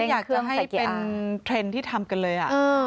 อยากจะให้เป็นเทรนด์ที่ทำกันเลย